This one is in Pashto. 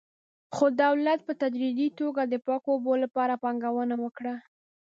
خو دولت په تدریجي توګه د پاکو اوبو لپاره پانګونه وکړه.